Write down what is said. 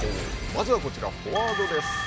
まずはこちらフォワードです。